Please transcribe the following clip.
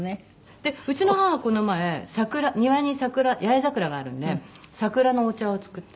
でうちの母この前庭に桜八重桜があるので桜のお茶を作って。